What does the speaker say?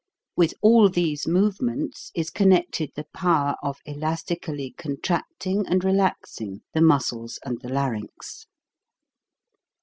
With all these movements is connected the power of elastically contracting and relaxing the muscles and the larynx.